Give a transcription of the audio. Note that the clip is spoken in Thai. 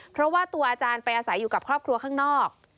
เพราะว่าตัวอาจารย์ไปอาศัยอยู่กับครอบครัวข้างนอก